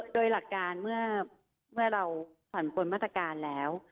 โดยหลักการเมื่อเราผ่อนปนมาตรการแล้ว